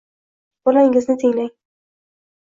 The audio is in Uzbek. bolangizni tinglang